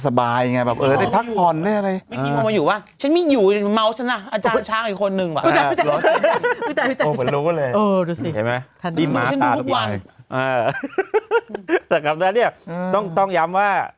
แต่ครับเนี่ยต้องย้ำว่า